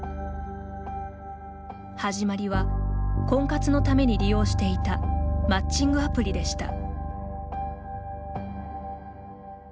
始まりは婚活のために利用していたマッチングアプリでした。